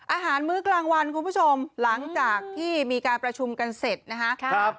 มื้อกลางวันคุณผู้ชมหลังจากที่มีการประชุมกันเสร็จนะครับ